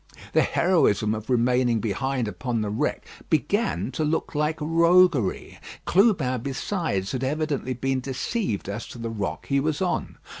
The heroism of remaining behind upon the wreck began to look like roguery. Clubin besides had evidently been deceived as to the rock he was on.